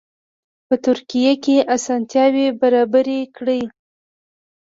په ترکیه کې اسانتیاوې برابرې کړي.